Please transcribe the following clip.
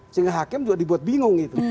sehingga hakim juga dibuat bingung gitu